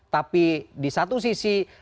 tapi di satu sisi